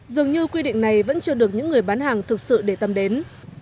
dường như quy định này vẫn chưa được những người bán hàng thực sự để tâm đến